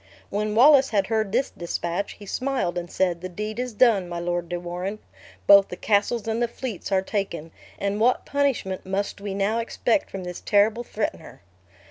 When Wallace had heard this dispatch, he smile and said, "The deed is done, my Lord de Warenne. Both the castles and the fleets are taken; and what punishment must we now expect from this terrible threatener?"